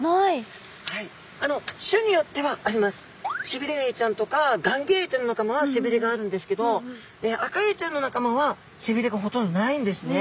シビレエイちゃんとかガンギエイちゃんの仲間はせびれがあるんですけどアカエイちゃんの仲間はせびれがほとんどないんですね。